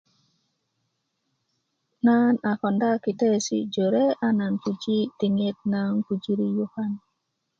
nan a konda kiteesi' jore a nan puji' diŋit na aan pujiri yukan